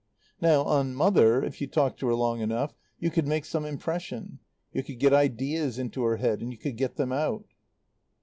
Now, on Mother, if you talked to her long enough, you could make some impression; you could get ideas into her head and you could get them out.